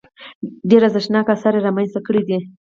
ډېر ارزښتناک اثار یې رامنځته کړي دي.